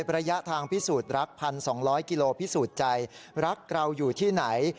ประยะทางพี่สูตรรัก๑๒๐๐กิโลพี่สูตรใจรักเราอยู่ที่ไหน